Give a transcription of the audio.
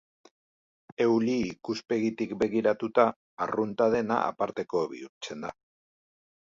Euli ikuspegitik begiratuta, arrunta dena aparteko bihurtzen da.